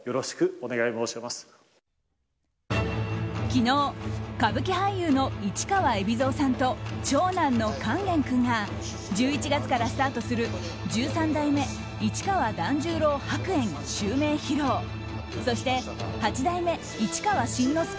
昨日、歌舞伎俳優の市川海老蔵さんと長男の勸玄君が１１月からスタートする十三代目市川團十郎白猿襲名披露そして八代目市川新之助